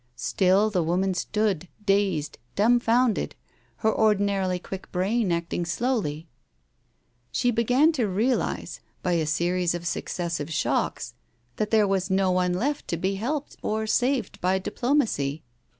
Still the woman stood, dazed, dumbfounded, her ordinarily quick brain acting slowly. She began to* realize, by a series of successive shocks, that there was no one left to be helped or saved by diplomacy.